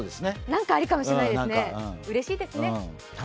何かあるかもしれないですね、うれしいですね。